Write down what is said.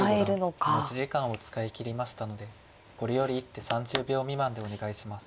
藤森五段持ち時間を使い切りましたのでこれより一手３０秒未満でお願いします。